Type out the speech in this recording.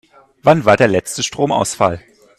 Wann war der letzte Stromausfall?